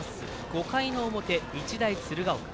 ５回の表、日大鶴ヶ丘。